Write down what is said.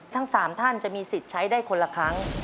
ทั้ง๓ท่านจะมีสิทธิ์ใช้ได้คนละครั้ง